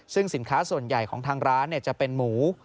ซึ่งสินค้าส่วนใหญ่ของทางร้านจะเป็นหมู